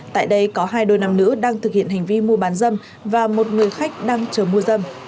tại đây có hai đôi nam nữ đang thực hiện hành vi mua bán dâm và một người khách đang chờ mua dâm